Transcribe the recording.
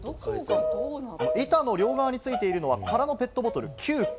板の両側に付いているのは空のペットボトル９個。